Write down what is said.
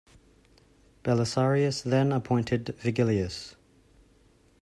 Belisarius then appointed Vigilius.